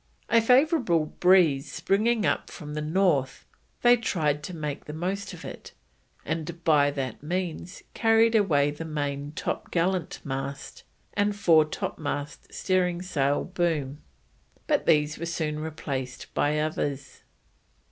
A favourable breeze springing up from the north, they tried to make the most of it, "and by that means carried away the main topgallant mast and fore topmast steering sail boom, but these were soon replaced by others."